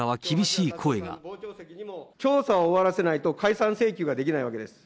調査を終わらせないと、解散請求ができないわけです。